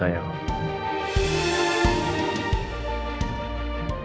saya akan berikan kamu ruang